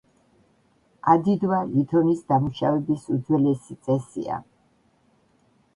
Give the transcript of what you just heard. ადიდვა ლითონის დამუშავების უძველესი წესია.